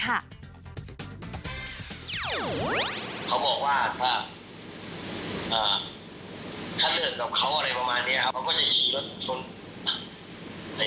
เขาบอกว่าถ้า